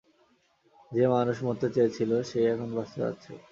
যে মানুষ মরতে চেয়েছিল, সে-ই এখন বাঁচতে চাচ্ছে।